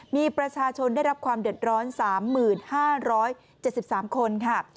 มีประชาชนได้รับความเดือดร้อน๓๕๗๓คนค่ะ